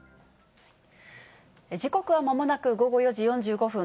時刻はまもなく午後４時４５分。